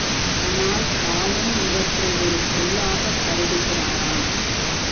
அதனால் தாமும் இவற்றை ஒரு சொல்லாகக் கருதுகிறாராம்.